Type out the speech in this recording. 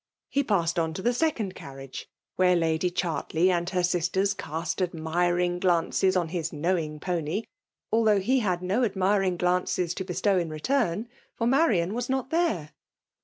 He passed on to the second carriage^ where Lady Qhiurtley and her sisti&rs cast admiring glimces^ on his Imowing popy, aHhongh he had i^o a^irii^ glances to bestow in retnnij. jbr jtfarian was not there.